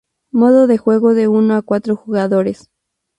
Modo de juego de uno a cuatro jugadores.